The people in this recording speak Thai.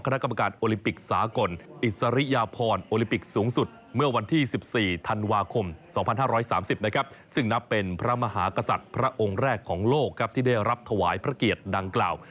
คณะกรรมการโอลิมปิกสากลอิสริยพรโอลิมปิกสูงสุดเมื่อวันที่๑๔ธันวาคม๒๕๓๐นะครับซึ่งนับเป็นพระมหากษัตริย์พระองค์แรกของโลกครับที่ได้รับถวายพระเกียรติดังกล่าว